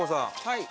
はい。